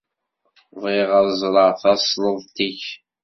Bɣiɣ ad ẓreɣ tasleḍt-ik.